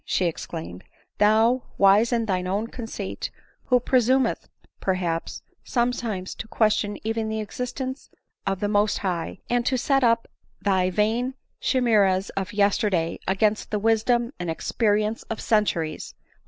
she exclaimed, " thou, wise in thine own conceit, who presumedst, per haps, sometimes to question even the existence of the 102 ADELINE MOWBRAY. Most High, and to set up thy vain chimeras of yesterday against the wisdom and experience of centuries